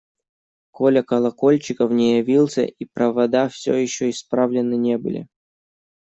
Коля Колокольчиков не явился, и провода все еще исправлены не были.